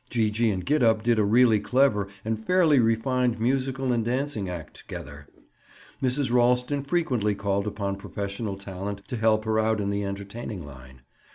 Gee gee and Gid up did a really clever and fairly refined musical and dancing act together. Mrs. Ralston frequently called upon professional talent to help her out in the entertaining line.